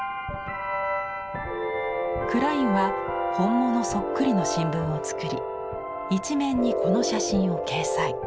クラインは本物そっくりの新聞を作り１面にこの写真を掲載。